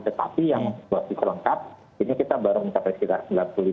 tetapi yang sudah diselengkapi ini kita baru mencapai sekitar sembilan puluh lima juta